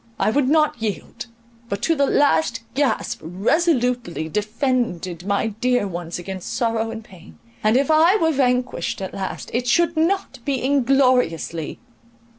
I would not yield, but to the last gasp resolutely defended my dear ones against sorrow and pain; and if I were vanquished at last, it should not be ingloriously.